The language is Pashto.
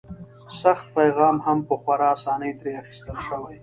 سخت پیغام هم په خورا اسانۍ ترې اخیستی شي.